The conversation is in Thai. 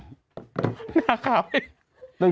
หน้าขาวดิ